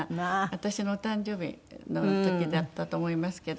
私の誕生日の時だったと思いますけど。